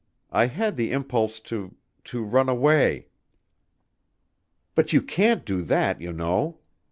I had the impulse to to run away." "You can't do that, you know."